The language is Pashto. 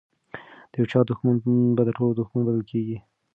د یو چا دښمن به د ټولو دښمن بلل کیږي.